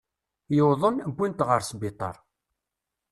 Yuḍen, uwin-t ɣer sbiṭer.